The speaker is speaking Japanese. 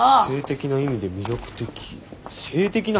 「性的な意味で魅力的」。